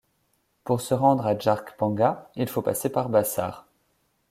Pour se rendre à Djarkpanga il faut passer par Bassar.